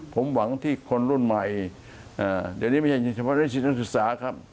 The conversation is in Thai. ผมหวังที่คนรุ่นใหม่เดี๋ยวนี้ไม่ใช่เฉพาะเรื่องจิตนักศึกษาครับ